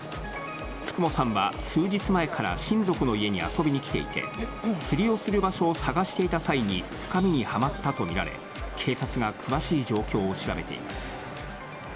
九十九さんは、数日前から親族の家に遊びに来ていて、釣りをする場所を探していた際に、深みにはまったと見られ、警察が詳しい状況を調べています。